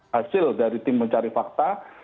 hasil dari tim mencari fakta